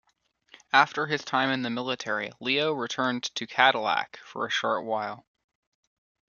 After his time in the military, Leo returned to Cadillac for a short while.